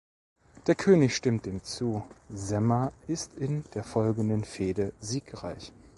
Der König stimmt dem zu, Sema ist in der folgenden Fehde siegreich.